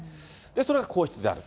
それが皇室である。